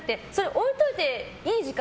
置いといていい時間